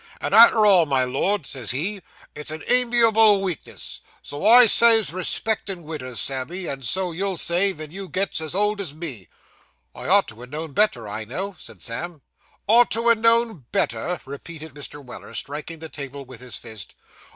"And arter all, my Lord," says he, "it's a amiable weakness." So I says respectin' widders, Sammy, and so you'll say, ven you gets as old as me.' 'I ought to ha' know'd better, I know,' said Sam. 'Ought to ha' know'd better!' repeated Mr. Weller, striking the table with his fist.